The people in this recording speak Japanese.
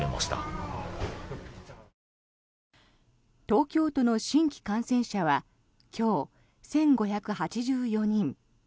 東京都の新規感染者は今日、１５８４人。